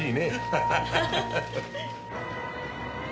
ハハハハ。